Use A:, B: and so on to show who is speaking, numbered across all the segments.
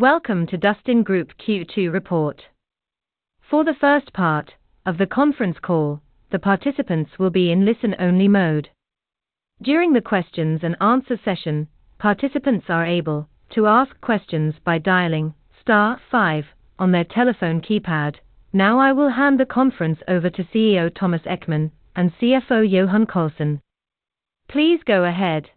A: Welcome to Dustin Group Q2 report. For the first part of the conference call, the participants will be in listen-only mode. During the questions and answer session, participants are able to ask questions by dialing star five on their telephone keypad. I will hand the conference over to CEO Thomas Ekman and CFO Johan Karlsson. Please go ahead.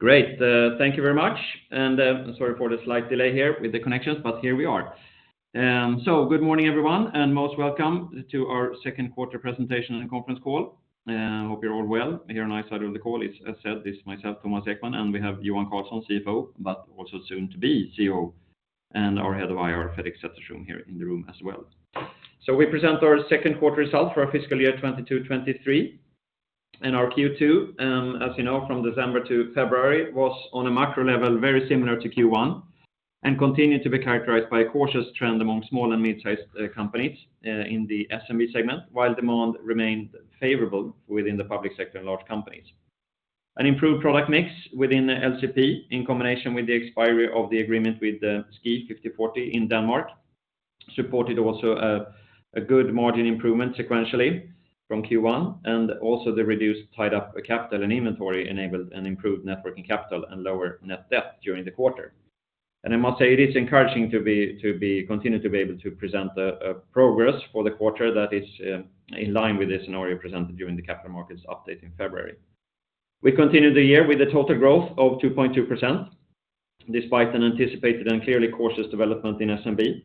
B: Great. Thank you very much. I'm sorry for the slight delay here with the connections, but here we are. Good morning, everyone, and most welcome to our second-quarter presentation and conference call. Hope you're all well here on my side of the call. As I said, this is myself, Thomas Ekman, and we have Johan Karlsson, CFO, but also soon to be CEO, and our Head of IR, Fredrik Sätterström here in the room as well. We present our second quarter results for our fiscal year 2022, 2023. Our Q2, as you know, from December to February, was on a macro level, very similar to Q1 and continued to be characterized by a cautious trend among small and mid-sized companies in the SMB segment, while demand remained favorable within the public sector and large companies. An improved product mix within LCP in combination with the expiry of the agreement with SKI 50.40 in Denmark, supported also a good margin improvement sequentially from Q1, also the reduced tied up capital and inventory enabled an improved net working capital and lower net debt during the quarter. I must say it is encouraging to be able to present the progress for the quarter that is in line with the scenario presented during the capital markets update in February. We continued the year with a total growth of 2.2%, despite an anticipated and clearly cautious development in SMB.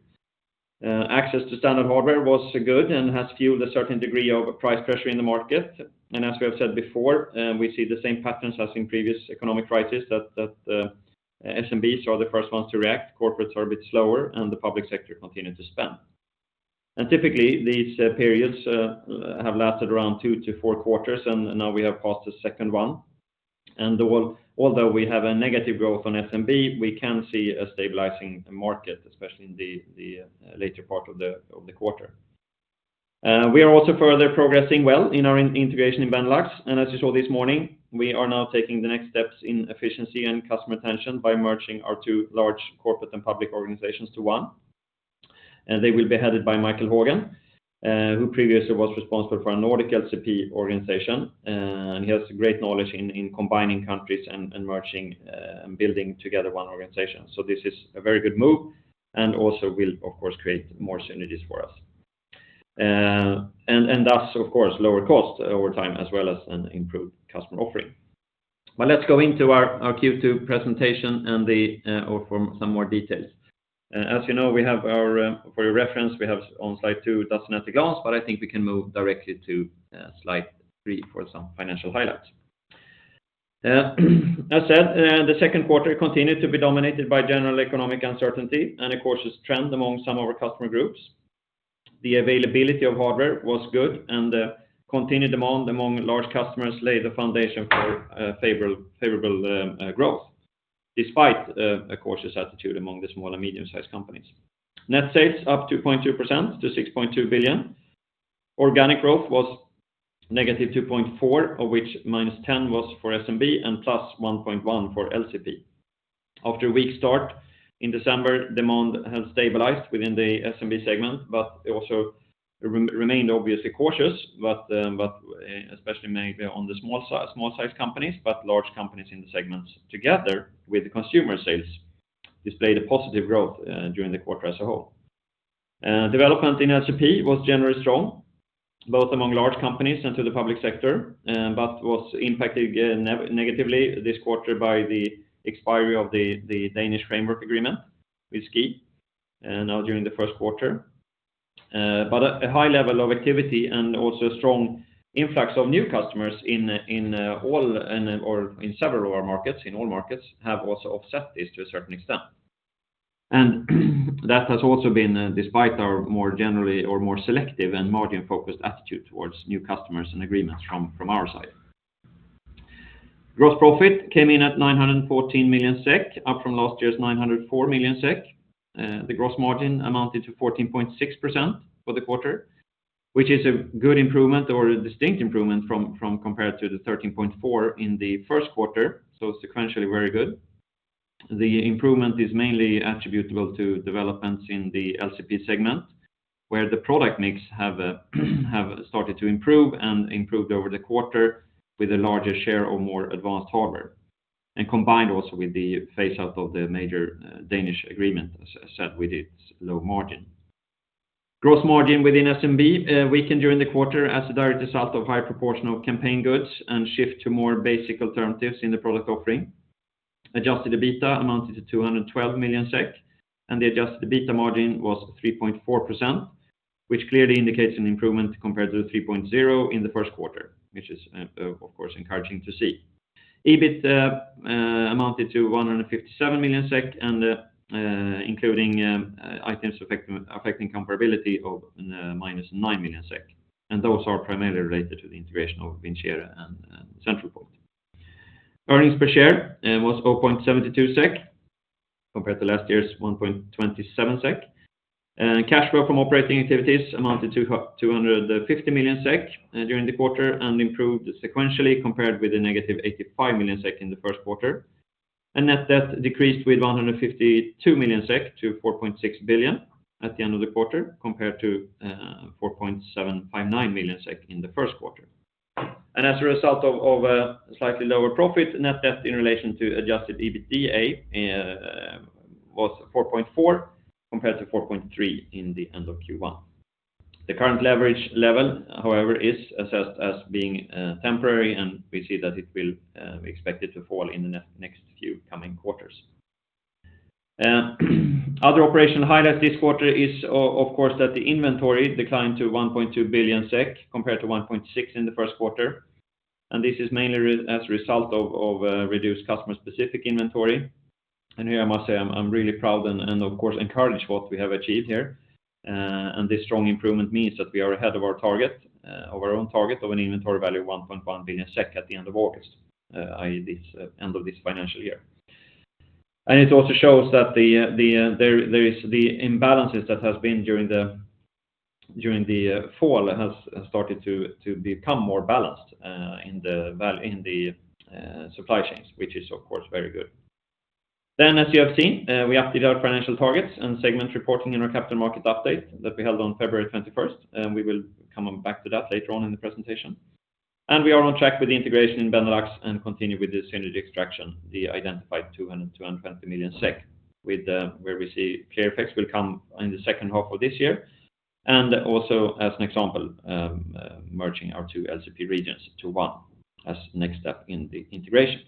B: Access to standard hardware was good and has fueled a certain degree of price pressure in the market. As we have said before, we see the same patterns as in previous economic crisis that SMBs are the first ones to react. Corporates are a bit slower and the public sector continue to spend. Typically, these periods have lasted around two to four quarters, and now we have passed the second one. Although we have a negative growth on SMB, we can see a stabilizing market, especially in the later part of the quarter. We are also further progressing well in our integration in Benelux. As you saw this morning, we are now taking the next steps in efficiency and customer attention by merging our two large corporate and public organizations to one. They will be headed by Michael Haagen, who previously was responsible for our Nordic LCP organization. And he has great knowledge in combining countries and merging, and building together one organization. This is a very good move and also will, of course, create more synergies for us. And, and thus, of course, lower cost over time as well as an improved customer offering. Let's go into our Q2 presentation and the, or for some more details. As you know, we have our, for your reference, we have on slide 2, Dustin at a glance, but I think we can move directly to slide 3 for some financial highlights. As said, the second quarter continued to be dominated by general economic uncertainty and a cautious trend among some of our customer groups. The availability of hardware was good and continued demand among large customers laid the foundation for favorable growth, despite a cautious attitude among the small and medium-sized companies. Net sales up 2.2% to 6.2 billion. Organic growth was -2.4%, of which -10% was for SMB and +1.1% for LCP. After a weak start in December, demand has stabilized within the SMB segment, but it also remained obviously cautious, but especially maybe on the small-sized companies, but large companies in the segments, together with consumer sales, displayed a positive growth during the quarter as a whole. Development in LCP was generally strong, both among large companies and to the public sector, but was impacted negatively this quarter by the expiry of the Danish framework agreement with SKI, now during the first quarter. But a high level of activity and also a strong influx of new customers in all and/or in several of our markets, in all markets, have also offset this to a certain extent. That has also been despite our more generally or more selective and margin-focused attitude towards new customers and agreements from our side. Gross profit came in at 914 million SEK, up from last year's 904 million SEK. The gross margin amounted to 14.6% for the quarter, which is a good improvement or a distinct improvement compared to the 13.4% in the first quarter. Sequentially, very good. The improvement is mainly attributable to developments in the LCP segment, where the product mix have started to improve and improved over the quarter with a larger share of more advanced hardware. Combined also with the phase out of the major Danish agreement, as I said, with its low margin. Gross margin within SMB weakened during the quarter as a direct result of high proportion of campaign goods and shift to more basic alternatives in the product offering. Adjusted EBITDA amounted to 212 million SEK, and the adjusted EBITDA margin was 3.4%, which clearly indicates an improvement compared to the 3.0% in the first quarter, which is, of course, encouraging to see. EBITDA amounted to 157 million SEK, and including items affecting comparability of -9 million SEK. Those are primarily related to the integration of Vincere and Centralpoint. Earnings per share was 0.72 SEK compared to last year's 1.27 SEK. Cash flow from operating activities amounted to 250 million SEK during the quarter and improved sequentially compared with the negative 85 million SEK in the first quarter. Net debt decreased with 152 million SEK to 4.6 billion at the end of the quarter, compared to 4.759 million SEK in the first quarter. As a result of slightly lower profit, net debt in relation to adjusted EBITDA was 4.4 compared to 4.3 in the end of Q1. The current leverage level, however, is assessed as being temporary, and we see that it will, we expect it to fall in the next few coming quarters. Other operational highlights this quarter is of course, that the inventory declined to 1.2 billion SEK compared to 1.6 in the first quarter. This is mainly as a result of reduced customer specific inventory. Here I must say I'm really proud and of course encouraged what we have achieved here. This strong improvement means that we are ahead of our target, our own target of an inventory value of 1.1 billion at the end of August, i.e., this end of this financial year. It also shows that the imbalances that has been during the fall has started to become more balanced in the supply chains, which is of course very good. As you have seen, we updated our financial targets and segment reporting in our capital market update that we held on February 21st, and we will come back to that later on in the presentation. We are on track with the integration in Benelux and continue with the synergy extraction, the identified SEK 200million-220 million where we see clear effects will come in the second half of this year. Also as an example, merging our two LCP regions into one as the next step in the integration.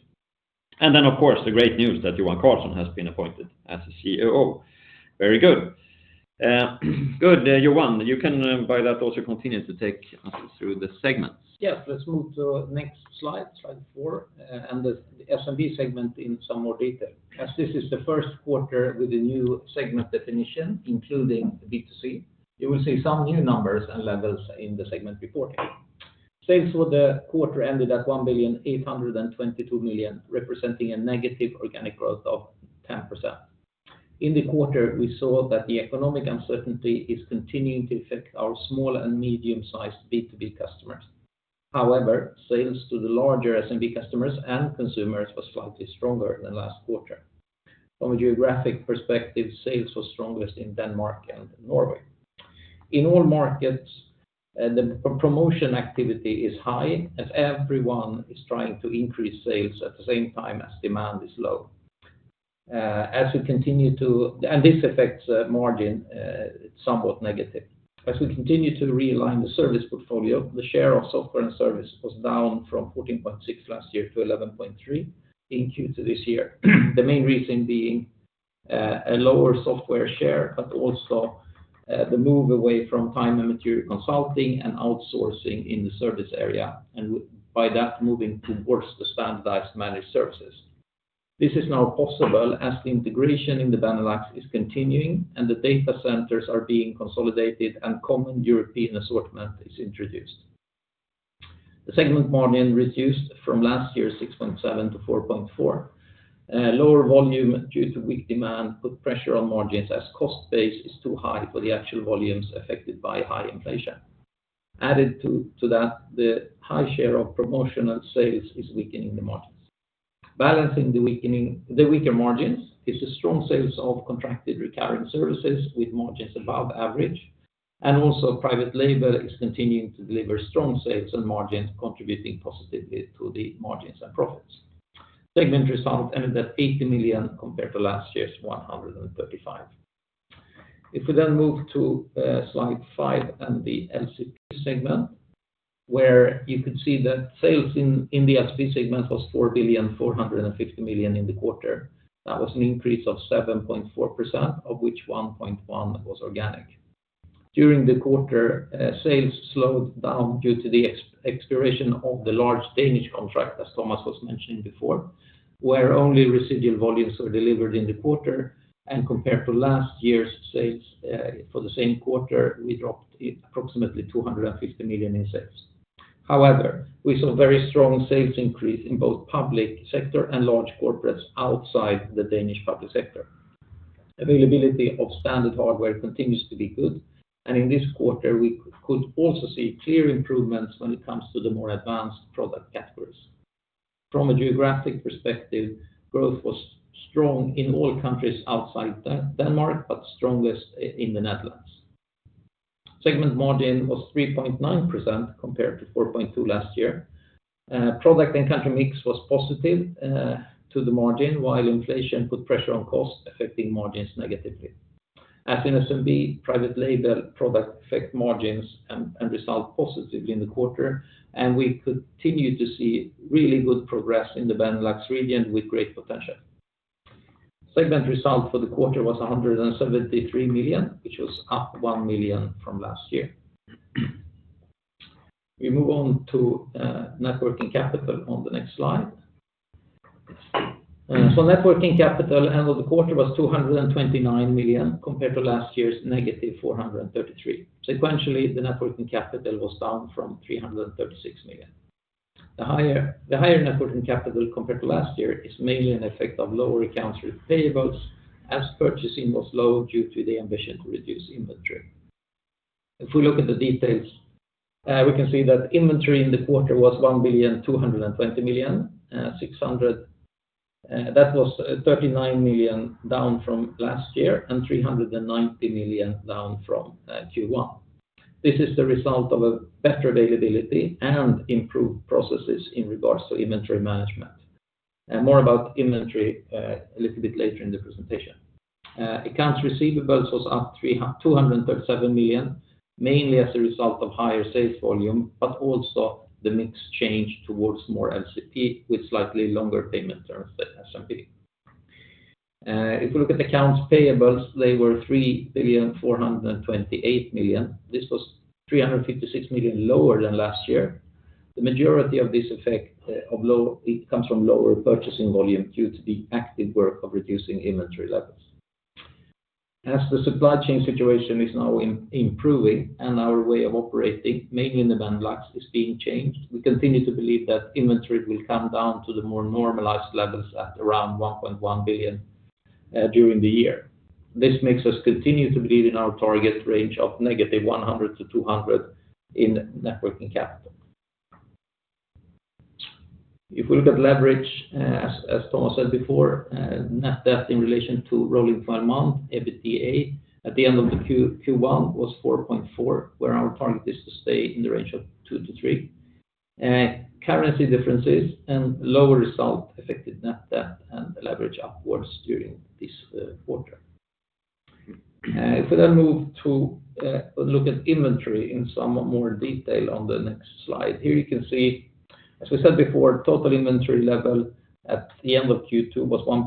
B: Then of course, the great news that Johan Karlsson has been appointed as the CEO. Very good. Johan, you can by that also continue to take us through the segments.
C: Yes. Let's move to next slide 4, and the SMB segment in some more detail. As this is the first quarter with the new segment definition, including B2C, you will see some new numbers and levels in the segment reporting. Sales for the quarter ended at 1.822 billion, representing a negative organic growth of 10%. In the quarter, we saw that the economic uncertainty is continuing to affect our small- and medium-sized B2B customers. However, sales to the larger SMB customers and consumers was slightly stronger than last quarter. From a geographic perspective, sales was strongest in Denmark and Norway. In all markets, the promotion activity is high as everyone is trying to increase sales at the same time as demand is low. This affects margin somewhat negative. As we continue to realign the service portfolio, the share of software and service was down from 14.6 last year to 11.3 in Q2 this year. The main reason being a lower software share, but also the move away from time and material consulting and outsourcing in the service area, and by that, moving towards the standardized managed services. This is now possible as the integration in the Benelux is continuing and the data centers are being consolidated and common European assortment is introduced. The segment margin reduced from last year, 6.7 to 4.4. Lower volume due to weak demand put pressure on margins as cost base is too high for the actual volumes affected by high inflation. Added to that, the high share of promotional sales is weakening the margins. Balancing the weaker margins is the strong sales of contracted recurring services with margins above average. Also private label is continuing to deliver strong sales and margins, contributing positively to the margins and profits. Segment result ended at 80 million compared to last year's 135 million. We then move to slide 5 and the LCP segment, where you could see that sales in the LCP segment was 4.45 billion in the quarter. That was an increase of 7.4%, of which 1.1% was organic. During the quarter, sales slowed down due to the expiration of the large Danish contract, as Thomas was mentioning before, where only residual volumes were delivered in the quarter. Compared to last year's sales, for the same quarter, we dropped approximately 250 million in sales. However, we saw very strong sales increase in both public sector and large corporates outside the Danish public sector. Availability of standard hardware continues to be good, and in this quarter we could also see clear improvements when it comes to the more advanced product categories. From a geographic perspective, growth was strong in all countries outside Denmark, but strongest in the Netherlands. Segment margin was 3.9% compared to 4.2% last year. Product and country mix was positive to the margin, while inflation put pressure on cost, affecting margins negatively. As in SMB, private label product affect margins and result positively in the quarter, and we continue to see really good progress in the Benelux region with great potential. Segment result for the quarter was 173 million, which was up 1 million from last year. We move on to net working capital on the next slide. Net working capital end of the quarter was 229 million, compared to last year's -433 million. Sequentially, the net working capital was down from 336 million. The higher net working capital compared to last year is mainly an effect of lower accounts receivables as purchasing was low due to the ambition to reduce inventory. If we look at the details, we can see that inventory in the quarter was 1,220,000,600, that was 39 million down from last year and 390 million down from Q1. This is the result of a better availability and improved processes in regards to inventory management. More about inventory, a little bit later in the presentation. Accounts receivables was up 237 million, mainly as a result of higher sales volume, but also the mix change towards more LCP with slightly longer payment terms than SMB. If we look at accounts payables, they were 3.428 billion. This was 356 million lower than last year. The majority of this effect, it comes from lower purchasing volume due to the active work of reducing inventory levels. As the supply chain situation is now improving and our way of operating, mainly in the Benelux, is being changed, we continue to believe that inventory will come down to the more normalized levels at around 1.1 billion during the year. This makes us continue to believe in our target range of -100 million to 200 million in net working capital. If we look at leverage, as Thomas said before, net debt in relation to rolling 12-month EBITDA at the end of Q1 was 4.4, where our target is to stay in the range of 2-3. Currency differences and lower result affected net debt and leverage upwards during this quarter. If we move to look at inventory in some more detail on the next slide. Here you can see, as we said before, total inventory level at the end of Q2 was 1.22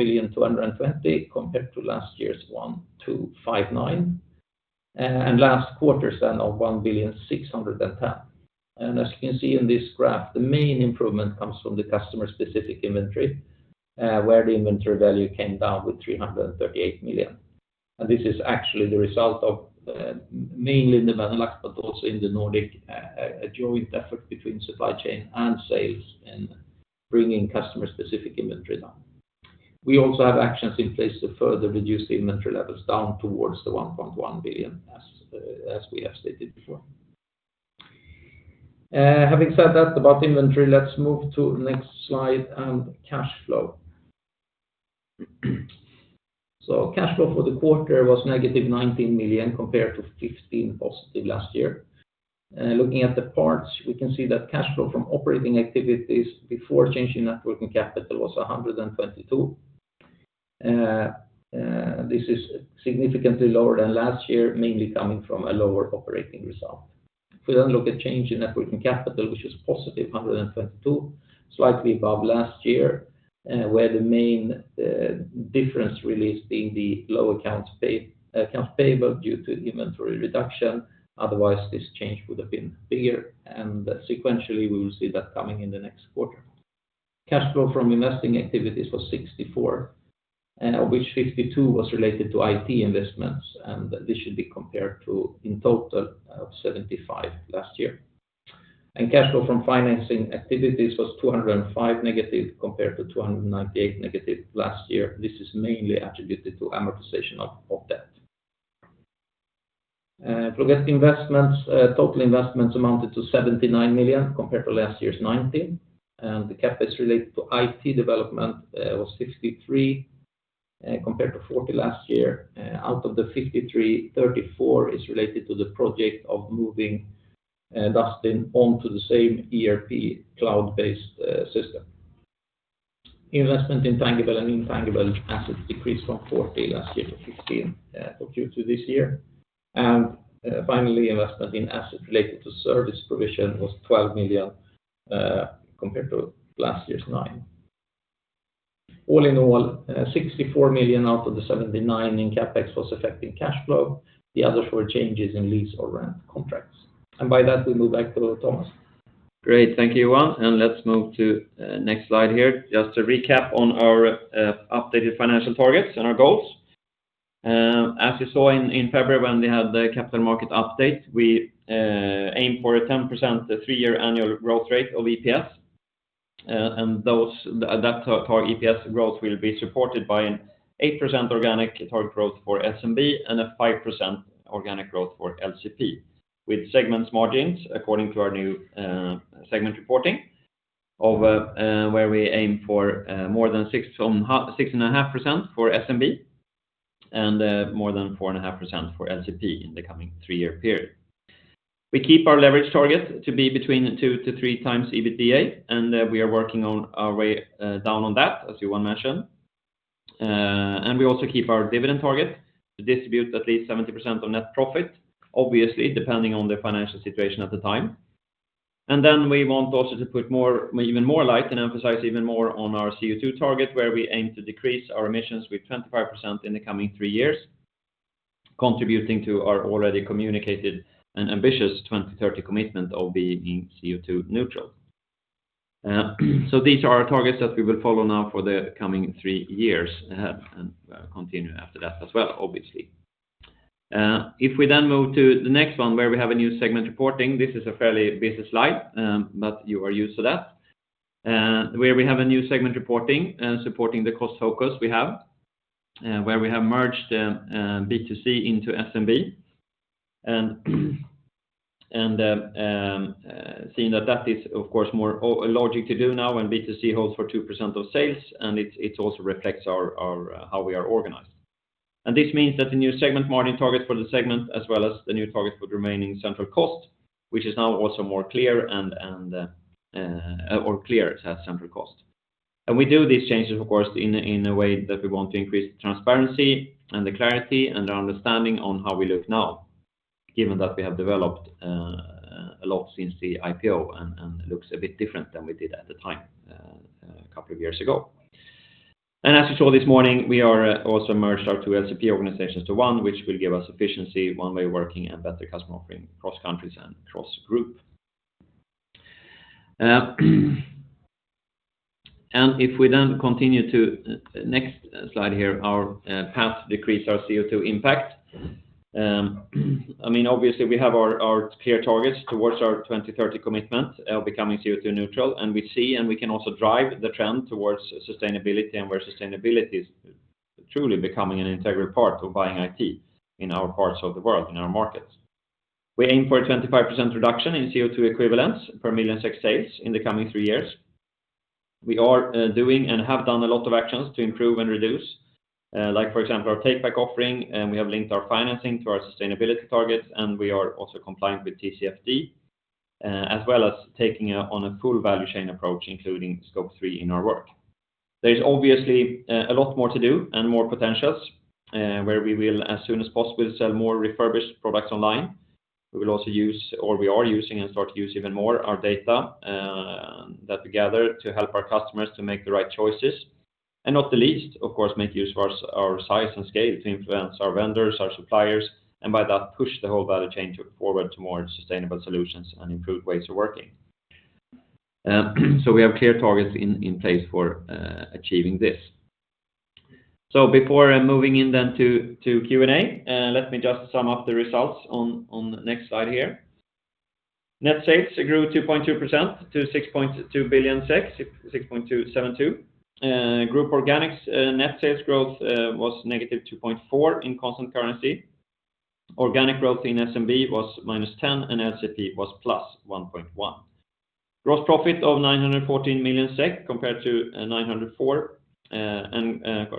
C: billion compared to last year's 1.259 billion, and last quarter's then of 1.61 billion. As you can see in this graph, the main improvement comes from the customer-specific inventory, where the inventory value came down with 338 million. This is actually the result of, mainly in the Benelux, but also in the Nordic, a joint effort between supply chain and sales in bringing customer-specific inventory down. We also have actions in place to further reduce the inventory levels down towards the 1.1 billion as we have stated before. Having said that about inventory, let's move to the next slide and cash flow. Cash flow for the quarter was -19 million compared to +15 million last year. Looking at the parts, we can see that cash flow from operating activities before change in net working capital was 122 million. This is significantly lower than last year, mainly coming from a lower operating result. If we then look at change in net working capital, which is +122 million, slightly above last year, where the main difference really is being the low accounts payable due to inventory reduction. Otherwise, this change would have been bigger, and sequentially, we will see that coming in the next quarter. Cash flow from investing activities was 64 million, and of which 52 million was related to IT investments, and this should be compared to in total of 75 million last year. Cash flow from financing activities was -205 compared to -298 last year. This is mainly attributed to amortization of debt. For getting investments, total investments amounted to 79 million compared to last year's 19, and the CapEx related to IT development was 53 compared to 40 last year. Out of the 53, 34 is related to the project of moving Dustin onto the same ERP cloud-based system. Investment in tangible and intangible assets decreased from 40 last year to 15 of Q2 this year. Finally, investment in assets related to service provision was 12 million compared to last year's 9. All in all, 64 million out of the 79 in CapEx was affecting cash flow. The other SEK 4 changes in lease or rent contracts. By that, we move back to Thomas.
B: Great. Thank you, Johan. Let's move to next slide here. Just to recap on our updated financial targets and our goals. As you saw in February when we had the capital market update, we aim for a 10% three-year annual growth rate of EPS. That target EPS growth will be supported by an 8% organic target growth for SMB and a 5% organic growth for LCP, with segments margins according to our new segment reporting of, where we aim for more than 6.5% for SMB and more than 4.5% for LCP in the coming three-year period. We keep our leverage target to be between 2x-3x EBITDA, we are working on our way down on that, as Johan mentioned. We also keep our dividend target to distribute at least 70% of net profit, obviously depending on the financial situation at the time. We want also to put more, even more light and emphasize even more on our CO2 target, where we aim to decrease our emissions with 25% in the coming three years, contributing to our already communicated and ambitious 2030 commitment of being CO2 neutral. These are our targets that we will follow now for the coming three years, and continue after that as well, obviously. If we then move to the next one where we have a new segment reporting, this is a fairly busy slide, but you are used to that. Where we have a new segment reporting and supporting the cost focus we have, where we have merged B2C into SMB. Seeing that that is of course more logic to do now when B2C holds for 2% of sales, and it also reflects our, how we are organized. This means that the new segment margin targets for the segment, as well as the new target for remaining central costs, which is now also more clear and, or clear central cost. We do these changes of course in a way that we want to increase transparency and the clarity and the understanding on how we look now, given that we have developed a lot since the IPO and looks a bit different than we did at the time a couple of years ago. As you saw this morning, we are also merged our two LCP organizations to one, which will give us efficiency, one way working, and better customer offering across countries and across group. If we then continue to next slide here, our path decrease our CO2 impact. I mean, obviously we have our clear targets towards our 2030 commitment of becoming CO2 neutral, we see, and we can also drive the trend towards sustainability, and where sustainability is truly becoming an integral part of buying IT in our parts of the world, in our markets. We aim for a 25% reduction in CO2 equivalents per million SEK sales in the coming three years. We are doing and have done a lot of actions to improve and reduce, like for example, our take-back offering, and we have linked our financing to our sustainability targets, and we are also compliant with TCFD, as well as taking on a full value chain approach, including Scope 3 in our work. There's obviously a lot more to do and more potentials where we will as soon as possible sell more refurbished products online. We will also use, or we are using and start to use even more our data that we gather to help our customers to make the right choices. Not the least, of course, make use of our size and scale to influence our vendors, our suppliers, and by that push the whole value chain to forward to more sustainable solutions and improved ways of working. We have clear targets in place for achieving this. Before moving in then to Q&A, let me just sum up the results on the next slide here. Net sales grew 2.2% to 6.2 billion SEK, 6.272 billion. Group organics net sales growth was -2.4 in constant currency. Organic growth in SMB was -10 and LCP was +1.1. Gross profit of 914 million SEK compared to 904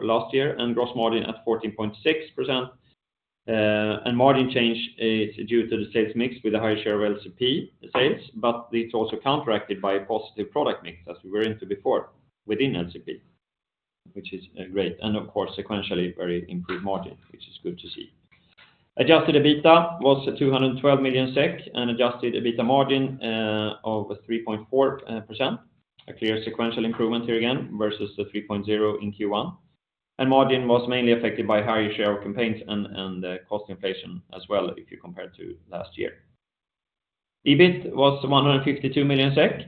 B: last year, and gross margin at 14.6%. Margin change is due to the sales mix with a higher share of LCP sales, but it's also counteracted by a positive product mix as we were into before within LCP, which is great. Of course, sequentially very improved margin, which is good to see. Adjusted EBITDA was 212 million SEK and adjusted EBITDA margin of 3.4%. A clear sequential improvement here again versus the 3.0 in Q1. Margin was mainly affected by higher share of campaigns and cost inflation as well if you compare to last year. EBIT was 152 million SEK.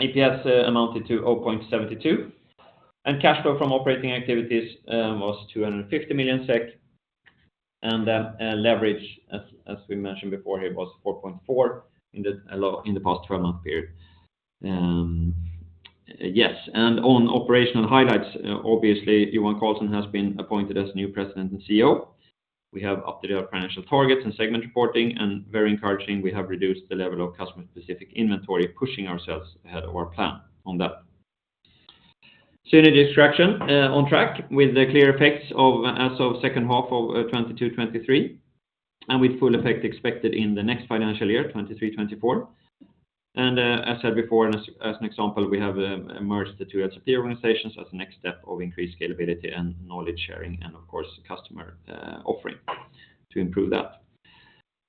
B: EPS amounted to 0.72. Cash flow from operating activities was 250 million SEK. Leverage, as we mentioned before here, was 4.4 in the past 12-month period. Yes, on operational highlights, obviously Johan Karlsson has been appointed as new President and CEO. We have updated our financial targets and segment reporting. Very encouraging, we have reduced the level of customer-specific inventory, pushing ourselves ahead of our plan on that. Synergy extraction on track with the clear effects of, as of second half of 2022/2023, and with full effect expected in the next financial year, 2023/2024. As said before, as an example, we have merged the two LCP organizations as a next step of increased scalability and knowledge sharing and of course customer offering to improve that.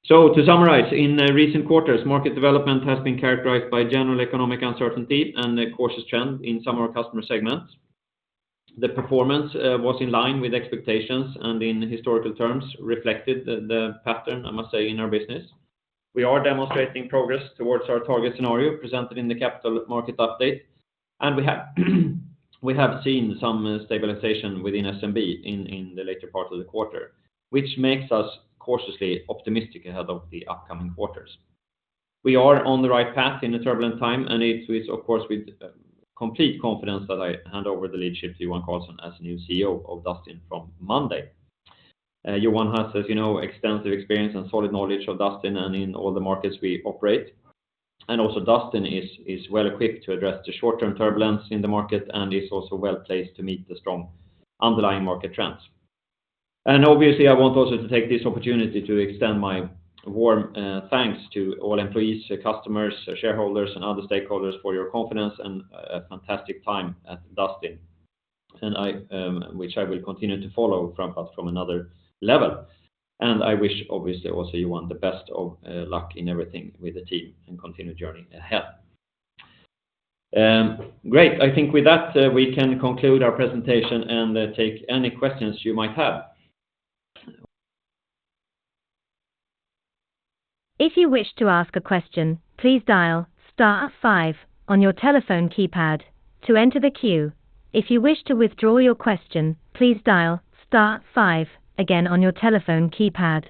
B: To summarize, in recent quarters, market development has been characterized by general economic uncertainty and a cautious trend in some of our customer segments. The performance was in line with expectations and in historical terms reflected the pattern, I must say, in our business. We are demonstrating progress towards our target scenario presented in the capital market update. We have seen some stabilization within SMB in the later part of the quarter, which makes us cautiously optimistic ahead of the upcoming quarters. We are on the right path in a turbulent time, it is of course with complete confidence that I hand over the leadership to Johan Karlsson as the new CEO of Dustin from Monday. Johan has, as you know, extensive experience and solid knowledge of Dustin and in all the markets we operate. Also Dustin is well equipped to address the short-term turbulence in the market and is also well placed to meet the strong underlying market trends. Obviously, I want also to take this opportunity to extend my warm thanks to all employees, customers, shareholders, and other stakeholders for your confidence and a fantastic time at Dustin, which I will continue to follow from, but from another level. I wish obviously also Johan the best of luck in everything with the team and continued journey ahead. With that, we can conclude our presentation and take any questions you might have.
A: If you wish to ask a question, please dial star five on your telephone keypad to enter the queue. If you wish to withdraw your question, please dial star five again on your telephone keypad.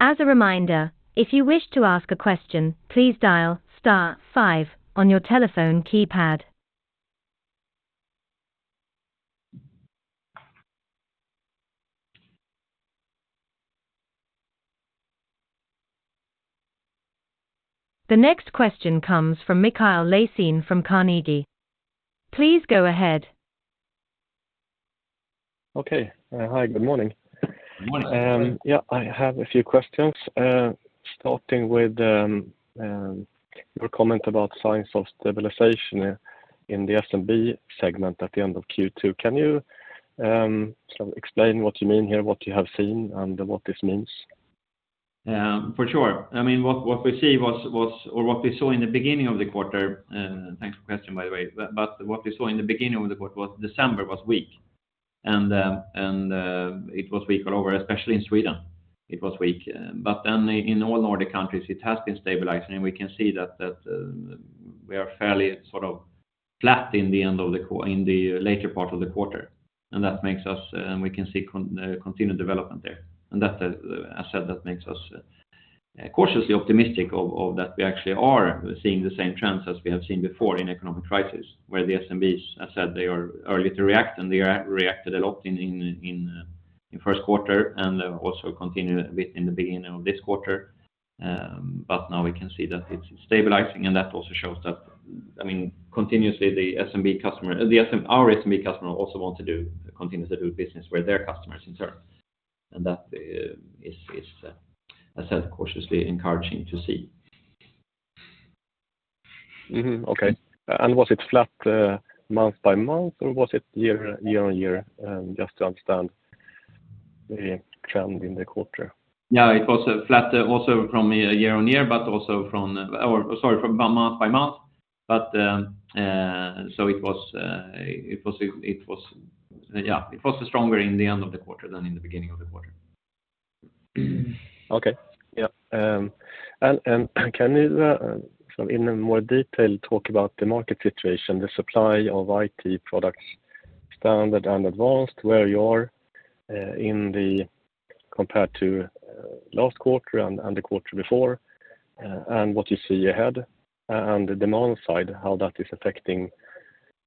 A: As a reminder, if you wish to ask a question, please dial star five on your telephone keypad. The next question comes from Mikael Laséen from Carnegie. Please go ahead.
D: Okay. Hi, good morning.
B: Good morning.
D: I have a few questions, starting with your comment about signs of stabilization in the SMB segment at the end of Q2. Can you sort of explain what you mean here, what you have seen, and what this means?
B: For sure. I mean, what we see was or what we saw in the beginning of the quarter, thanks for the question, by the way. What we saw in the beginning of the quarter was December was weak, and it was weak all over, especially in Sweden it was weak. In all Nordic countries it has been stabilizing, and we can see that we are fairly sort of flat in the end of the later part of the quarter. That makes us, and we can see continued development there. That, as I said, that makes us cautiously optimistic of that we actually are seeing the same trends as we have seen before in economic crisis where the SMBs, as I said, they are early to react, and they reacted a lot in first quarter and also continued a bit in the beginning of this quarter. Now we can see that it's stabilizing, and that also shows that, I mean, continuously our SMB customer also want to do, continuously do business where their customers in turn. That is, as I said, cautiously encouraging to see.
D: Mm-hmm. Okay. Was it flat, month-over-month or was it year-on-year? Just to understand the trend in the quarter.
B: Yeah. It was flat also from a year-on-year, sorry, from month-by-month. So it was, yeah, it was stronger in the end of the quarter than in the beginning of the quarter.
D: Okay. Yeah. Can you, sort of in more detail talk about the market situation, the supply of IT products, standard and advanced, where you are, compared to, last quarter and, the quarter before, and what you see ahead, and the demand side, how that is affecting,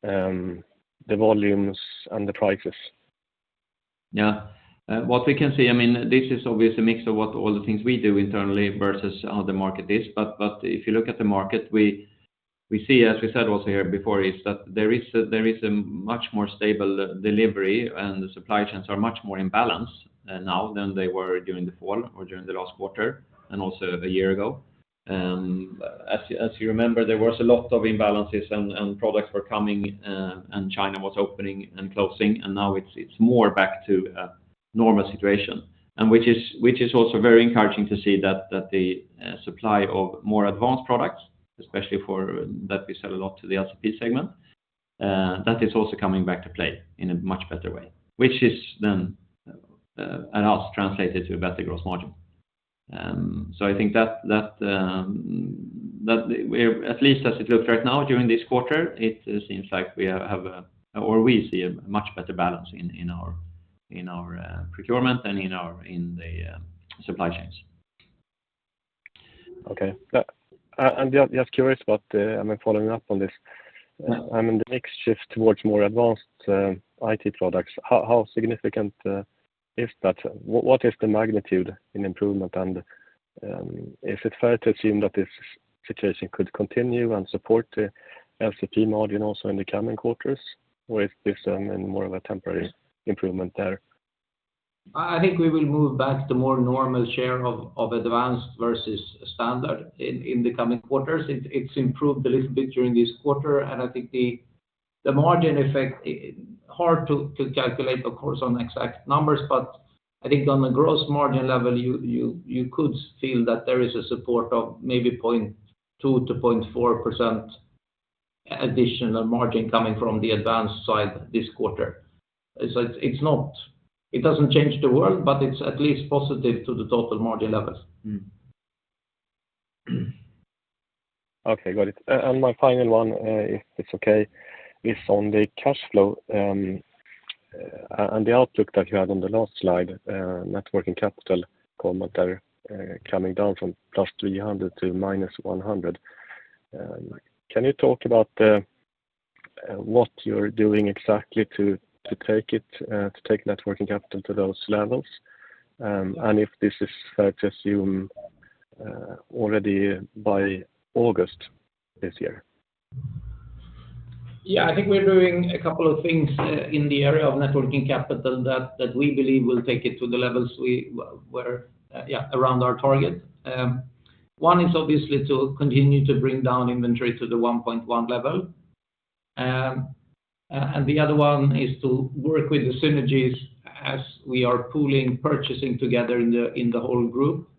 D: the volumes and the prices?
B: Yeah. What we can see, I mean, this is obviously a mix of what all the things we do internally versus how the market is. If you look at the market, we see, as we said also here before, is that there is a much more stable delivery, and the supply chains are much more in balance now than they were during the fall or during the last quarter and also a year ago. As you remember, there was a lot of imbalances and products were coming, and China was opening and closing, and now it's more back to a normal situation. Which is also very encouraging to see that the supply of more advanced products, especially for that we sell a lot to the LCP segment, that is also coming back to play in a much better way, which is then at least translated to a better gross margin. I think that at least as it looks right now, during this quarter, it seems like we have a or we see a much better balance in our procurement and in the supply chains.
D: Okay. Yeah, just curious about, I mean, following up on this-
B: Yeah....
D: I mean, the mix shift towards more advanced IT products, how significant is that? What is the magnitude in improvement, and is it fair to assume that this situation could continue and support the LCP margin also in the coming quarters, or is this more of a temporary improvement there?
B: I think we will move back to more normal share of advanced versus standard in the coming quarters. It's improved a little bit during this quarter. I think the margin effect, hard to calculate, of course, on exact numbers. I think on the gross margin level, you could feel that there is a support of maybe 0.2%-0.4% additional margin coming from the advanced side this quarter. It's like it's not-- It doesn't change the world, but it's at least positive to the total margin levels.
D: Okay, got it. My final one, if it's okay, is on the cash flow, and the outlook that you had on the last slide, net working capital comment are coming down from +300 to -100. Can you talk about the what you're doing exactly to take it, to take net working capital to those levels, and if this is fair to assume already by August this year?
B: I think we're doing a couple of things in the area of net working capital that we believe will take it to the levels we were around our target. One is obviously to continue to bring down inventory to the 1.1 level. And the other one is to work with the synergies as we are pooling purchasing together in the whole group.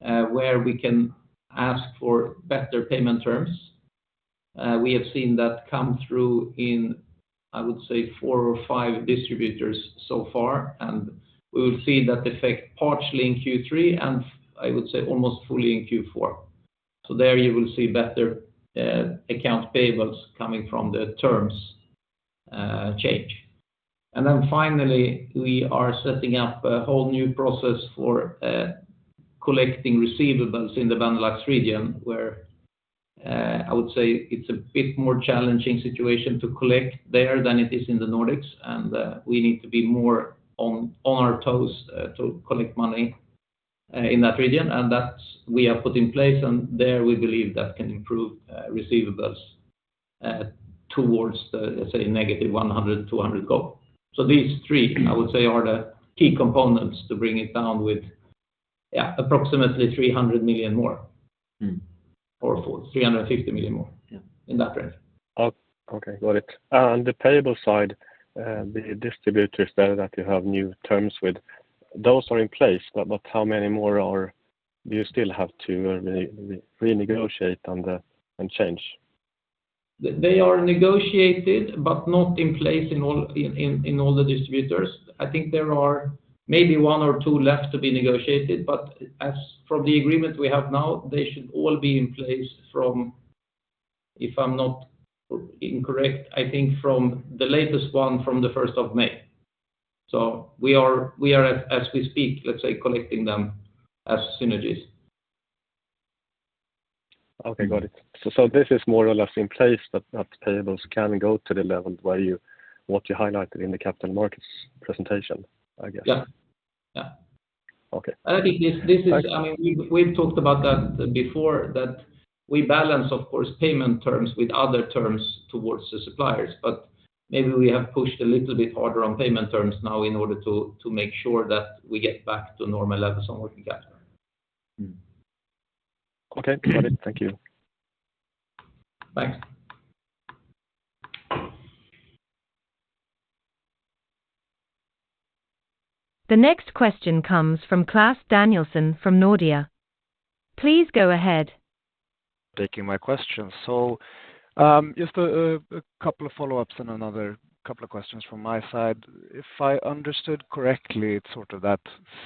B: Where we can ask for better payment terms. We have seen that come through in, I would say, four or five distributors so far, and we will see that effect partially in Q3, and I would say almost fully in Q4. There you will see better accounts payables coming from the terms change. Finally, we are setting up a whole new process for collecting receivables in the Benelux region where, I would say, it's a bit more challenging situation to collect there than it is in the Nordics, and we need to be more on our toes to collect money in that region. That's we have put in place, and there we believe that can improve receivables towards the, let's say, -100, 200 goal. These three, I would say, are the key components to bring it down with, approximately 300 million more.
D: Mm.
B: Or, 350 million more.
D: Yeah.
B: In that range.
D: Oh, okay. Got it. The payable side, the distributors there that you have new terms with, those are in place, but how many more are? Do you still have to re-negotiate change?
C: They are negotiated, but not in place in all, in all the distributors. I think there are maybe one or two left to be negotiated, but as per the agreement we have now, they should all be in place from, if I'm not incorrect, I think from the latest one from the first of May. We are, as we speak, let's say, collecting them as synergies.
D: Okay. Got it. This is more or less in place that payables can go to the level where what you highlighted in the Capital Markets presentation, I guess.
C: Yeah. Yeah.
D: Okay.
C: I think this-
D: I-...
C: I mean, we've talked about that before, that we balance, of course, payment terms with other terms towards the suppliers. Maybe we have pushed a little bit harder on payment terms now in order to make sure that we get back to normal levels on working capital.
D: Okay. Got it. Thank you.
C: Thanks.
A: The next question comes from Claes Danielsson from Nordea. Please go ahead.
E: Taking my questions. Just a couple of follow-ups and another couple of questions from my side. If I understood correctly, it's sort of that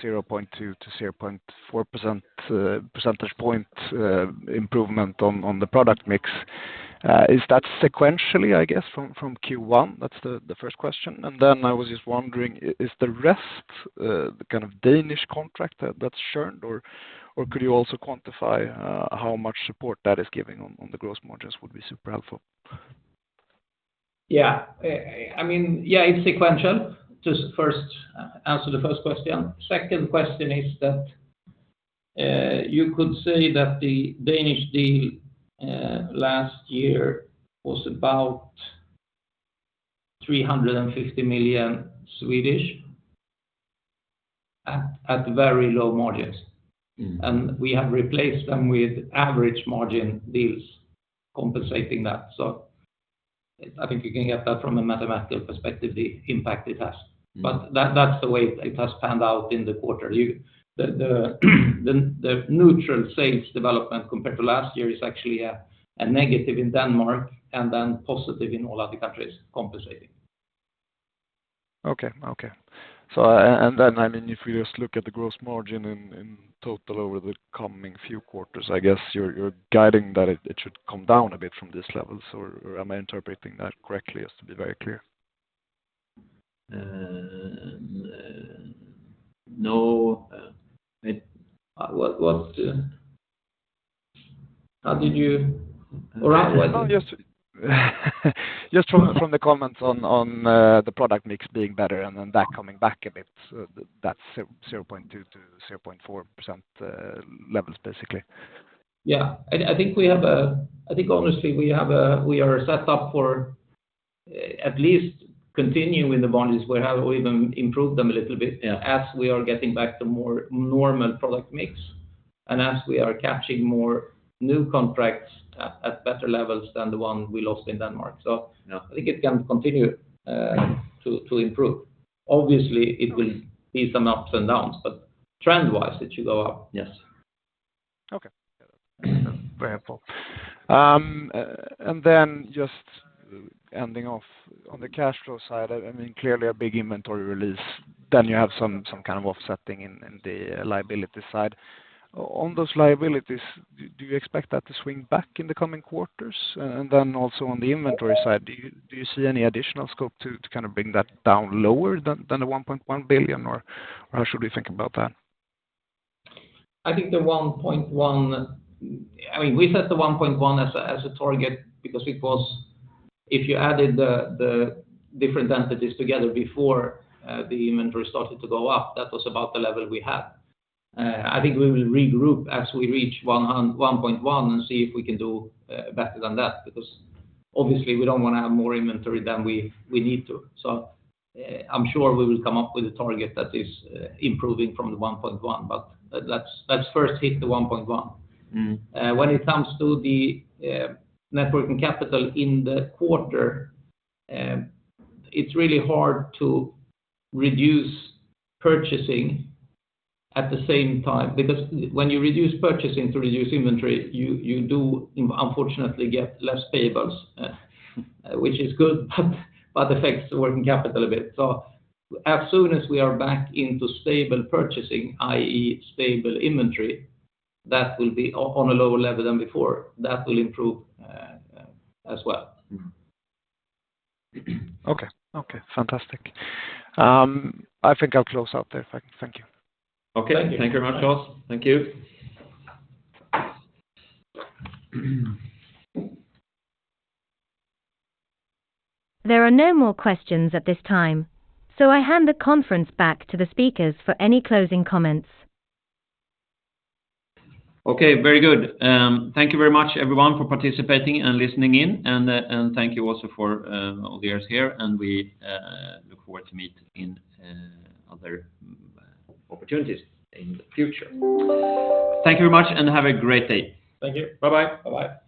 E: 0.2-0.4 percentage point improvement on the product mix. Is that sequentially, I guess, from Q1? That's the first question. I was just wondering, is the rest, the kind of Danish contract that's churned, or could you also quantify how much support that is giving on the gross margins would be super helpful.
C: Yeah. I mean, yeah, it's sequential. Just first, answer the first question. Second question is that, you could say that the Danish deal last year was about 350 million at very low margins.
E: Mm.
C: We have replaced them with average margin deals compensating that. I think you can get that from a mathematical perspective, the impact it has.
E: Mm.
C: That, that's the way it has panned out in the quarter. The neutral sales development compared to last year is actually a negative in Denmark and then positive in all other countries compensating.
E: Okay. I mean, if we just look at the gross margin in total over the coming few quarters, I guess you're guiding that it should come down a bit from this level. Am I interpreting that correctly, just to be very clear?
C: No. It? What? How did you? Or what?
E: No, just from the comments on the product mix being better and then that coming back a bit, so that's 0.2%-0.4% levels, basically.
C: Yeah. I think honestly, We are set up for at least continuing with the margins. We have even improved them a little bit, you know, as we are getting back to more normal product mix and as we are catching more new contracts at better levels than the one we lost in Denmark.
E: Yeah.
C: I think it can continue to improve. Obviously, it will be some ups and downs, but trend-wise, it should go up. Yes.
E: Okay. Got it. Very helpful. Then just ending off on the cash flow side, I mean, clearly a big inventory release, then you have some kind of offsetting in the liability side. On those liabilities, do you expect that to swing back in the coming quarters? Then also on the inventory side, do you see any additional scope to kind of bring that down lower than 1.1 billion? Or how should we think about that?
C: I think the 1.1, I mean, we set the 1.1 as a target because it was-- If you added the different entities together before, the inventory started to go up, that was about the level we had. I think we will regroup as we reach 1.1 and see if we can do better than that because obviously, we don't wanna have more inventory than we need to. I'm sure we will come up with a target that is improving from the 1.1, but let's first hit the 1.1.
E: Mm.
C: When it comes to the net working capital in the quarter, it's really hard to reduce purchasing at the same time because when you reduce purchasing to reduce inventory, you do unfortunately get less payables, which is good, but affects the working capital a bit. As soon as we are back into stable purchasing, i.e. stable inventory, that will be on a lower level than before, that will improve as well.
E: Okay. Okay. Fantastic. I think I'll close out there. Thank you.
C: Okay.
E: Thank you.
C: Thank you very much, Claes. Thank you.
A: There are no more questions at this time, so I hand the conference back to the speakers for any closing comments.
B: Okay. Very good. Thank you very much everyone for participating and listening in, and thank you also for all the ears here, and we look forward to meet in other opportunities in the future. Thank you very much, and have a great day.
C: Thank you.
B: Bye-bye.
C: Bye-bye.